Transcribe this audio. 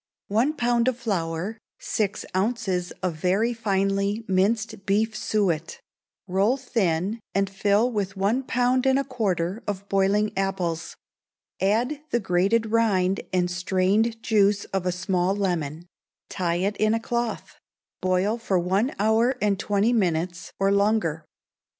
One pound of flour, six ounces of very finely minced beef suet; roll thin, and fill with one pound and a quarter of boiling apples; add the grated rind and strained juice of a small lemon, tie it in a cloth; boil for one hour and twenty minutes, or longer.